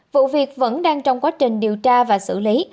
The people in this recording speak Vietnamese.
vụ việc vẫn đang trong quá trình điều tra và xử lý